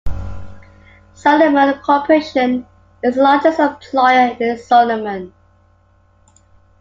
Solomon Corporation is the largest employer in Solomon.